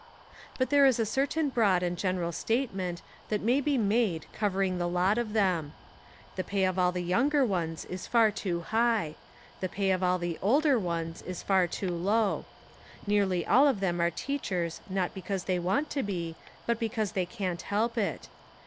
But there Is a certain broad and general statement that may be made covering the lot of them. The pay of all the younger ones is far too high. The pay of all the older ones is far too low. Nearly all of them are teach ers not because they want to be but because they can't help it.